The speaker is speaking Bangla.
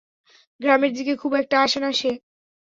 গ্রামের দিকে খুব একটা আসে না সে।